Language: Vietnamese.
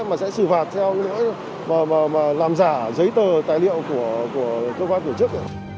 mà sẽ xử phạt theo cái lỗi mà làm giả giấy tờ tài liệu của cơ quan tổ chức